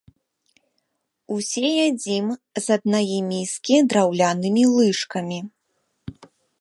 Усе ядзім з аднае міскі драўлянымі лыжкамі.